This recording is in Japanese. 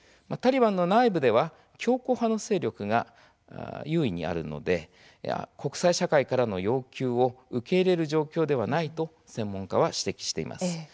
タリバンの内部では強硬派の勢力が優位にあるので国際社会からの要求を受け入れる状況ではないと専門家は指摘しています。